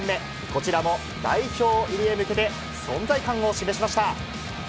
こちらも代表入りへ向けて、存在感を示しました。